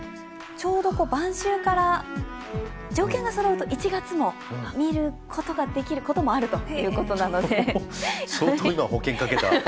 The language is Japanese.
ちょうど晩秋から１月も見ることができることもあるということなので。